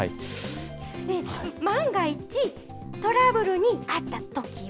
ねえ、万が一トラブルに遭ったときは。